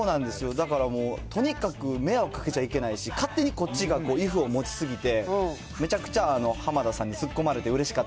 だからもう、とにかく迷惑かけちゃいけないし、勝手にこっちが畏怖を持ちすぎて、めちゃくちゃ浜田さんに突っ込分かる。